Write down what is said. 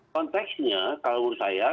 konteksnya kalau menurut saya